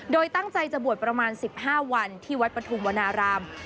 โดยตั้งใจจะบวชประมาณสิบห้าวันที่วัดประธุมวรรณารามน์